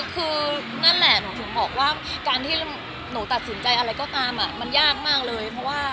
คือนั่นแหล่ะผมถึงบอกว่าการที่หนูตัดสินใจอะไรข้อกล้ากามมันยากมากเลย